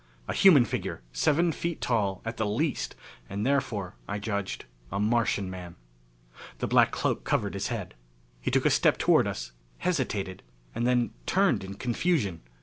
A human figure, seven feet tall at the least, and therefore, I judged, a Martian man. The black cloak covered his head. He took a step toward us, hesitated, and then turned in confusion.